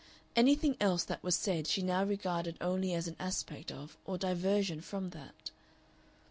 Anything else that was said she now regarded only as an aspect of or diversion from that.